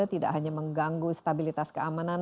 tidak hanya mengganggu stabilitas keamanan